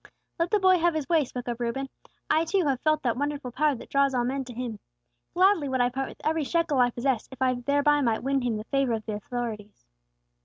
"Let the boy have his way," spoke up Reuben. "I, too, have felt that wonderful power that draws all men to Him. Gladly would I part with every shekel I possess, if I thereby might win Him the favor of the authorities."